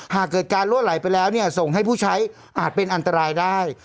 หากเกิดการลั่วไหลไปแล้วส่งให้ผู้ใช้อาจเป็นอันตรายได้